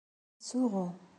Yettsuɣu.